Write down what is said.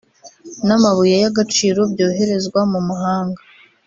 n’amabuye y’agaciro byoherezwa mu mahanga